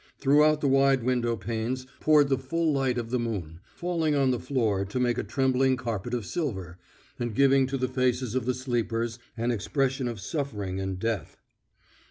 Through the wide window panes poured the full light of the moon, falling on the floor to make a trembling carpet of silver, and giving to the faces of the sleepers an expression of suffering and death.